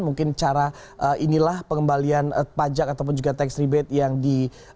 mungkin cara inilah pengembalian pajak ataupun juga tax rebate yang di